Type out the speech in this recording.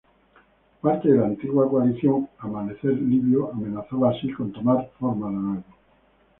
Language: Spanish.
Parte de la antigua coalición Amanecer Libio amenazaba así con tomar forma de nuevo.